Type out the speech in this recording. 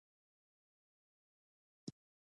ګډ ژوند یوازې د کرنې او مالدارۍ په معنا نه و.